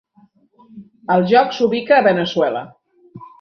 El joc s'ubica a Veneçuela.